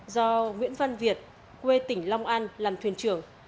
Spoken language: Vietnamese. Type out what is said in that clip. do nguyễn văn việt quê tỉnh long an làm thuyền trưởng